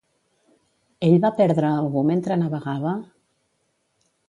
Ell va perdre a algú mentre navegava?